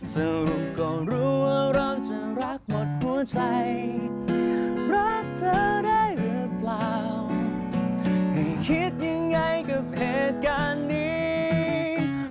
สรุปก็รู้ว่าเราจะรักหมดหัวใจรักเธอได้หรือเปล่าให้คิดยังไงกับเหตุการณ์นี้